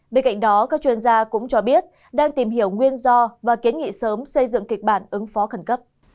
bên cạnh đó các chuyên gia cũng cho biết đang tìm hiểu nguyên do và kiến nghị sớm xây dựng kịch bản ứng phó khẩn cấp